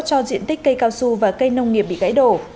cho diện tích cây cao su và cây nông nghiệp bị gãy đổ